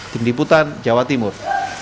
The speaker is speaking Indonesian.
tim diputan jawa timur